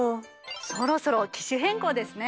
そろそろ機種変更ですね。